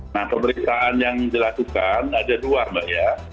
nah pemeriksaan yang dilakukan ada dua mbak ya